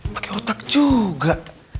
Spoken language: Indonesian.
pakai otak juga